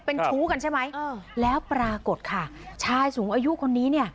เป็นชู้กันใช่ไหมเออแล้วปรากฏค่ะชายสูงอายุคนนี้เนี่ย